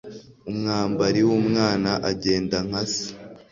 umwambari w'umwana agenda nka se